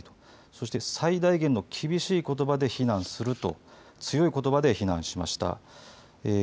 そして、最大限の厳しいことばで非難すると強いことばで非難しました。